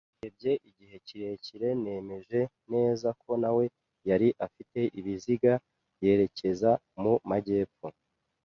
yarebye igihe kirekire, nemeje neza ko nawe yari afite ibiziga yerekeza mu majyepfo